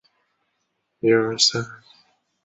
越南语语法为基于越南语之语法。